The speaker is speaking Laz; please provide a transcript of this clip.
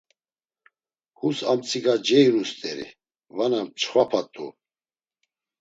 Hus amtsika ceinusteri, vana mçxvapat̆u.